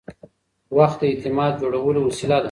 وخت د اعتماد جوړولو وسیله ده.